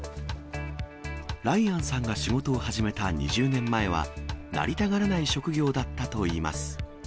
ライアンさんが仕事を始めた２０年前は、なりたがらない職業だったといいます。